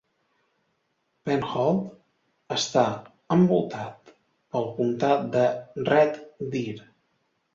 Penhold està envoltat pel comtat de Red Deer.